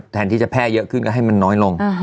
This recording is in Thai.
แทนที่จะแพร่เยอะขึ้นก็ให้มันน้อยลง